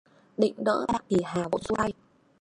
Định đỡ bạn thì Hà vội xua tay